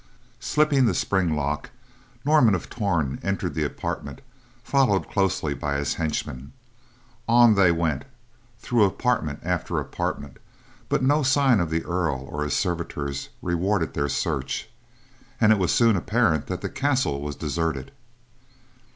Slipping the spring lock, Norman of Torn entered the apartment followed closely by his henchmen. On they went, through apartment after apartment, but no sign of the Earl or his servitors rewarded their search, and it was soon apparent that the castle was deserted.